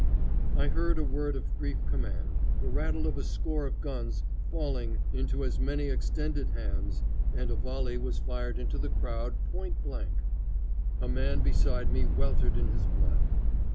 I heard a word of brief command, the rattle of a score of guns falling into as many extended hands, and a volley was fired into the crowd point blank, A man beside me weltered in his blood.